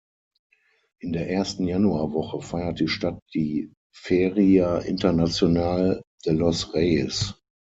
In der ersten Januarwoche feiert die Stadt die "Feria Internacional de los Reyes".